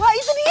wah itu dia